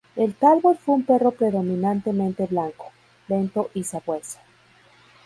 El talbot fue un perro predominantemente blanco, lento y Sabueso.